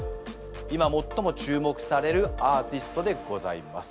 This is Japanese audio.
今最も注目されるアーティストでございます。